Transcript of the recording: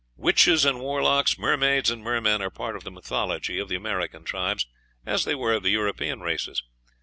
Witches and warlocks, mermaids and mermen, are part of the mythology of the American tribes, as they were of the European races.